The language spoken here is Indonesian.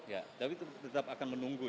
ya tapi tetap akan menunggu ya